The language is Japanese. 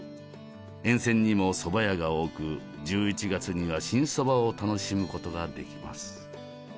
沿線にもそば屋が多く１１月には新そばを楽しむことができます。